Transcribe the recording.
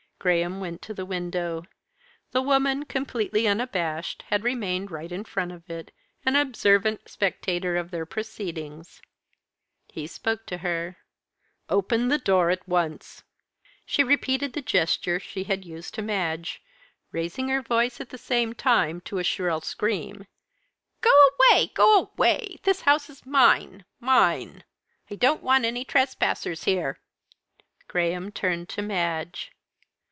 Graham went to the window. The woman, completely unabashed, had remained right in front of it, an observant spectator of their proceedings. He spoke to her. "Open the door at once!" She repeated the gesture she had used to Madge raising her voice, at the same time, to a shrill scream. "Go away! go away! This house is mine mine! I don't want any trespassers here." Graham turned to Madge.